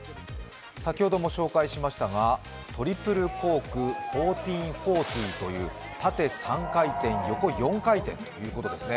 先ほども紹介しましたがトリプルコーク１４４０という縦３回転・横４回転ということですね